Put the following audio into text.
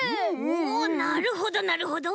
おなるほどなるほど。